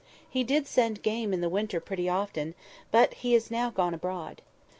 He did send game in the winter pretty often, but now he is gone abroad."